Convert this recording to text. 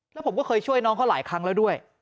แล้วผมก็เคยช่วยน้องเขาหลายครั้งแล้วด้วย